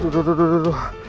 duduk duduk duduk